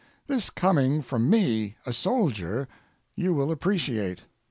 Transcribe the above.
This coming from me, a soldier, you will appreciate.